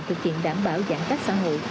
thực hiện đảm bảo giãn cách xã hội